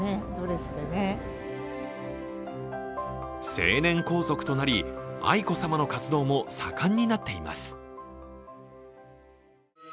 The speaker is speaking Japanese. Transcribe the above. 成年皇族となり、愛子さまの活動も盛んになっています。